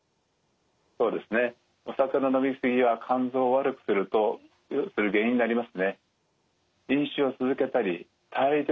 そうですねお酒の飲み過ぎは肝臓を悪くする原因になりますね。